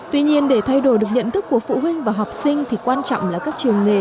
tuy nhiên để thay đổi được nhận thức của phụ huynh và học sinh thì quan trọng là các trường nghề